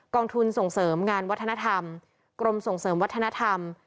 องทุนส่งเสริมงานวัฒนธรรมกรมส่งเสริมวัฒนธรรม